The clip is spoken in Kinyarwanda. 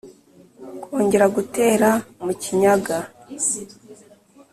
kongera gutera mu kinyaga